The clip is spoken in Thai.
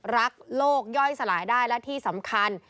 รักโลกย่อยสลายได้และที่สำคัญ